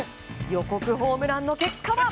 予告ホームランの結果は。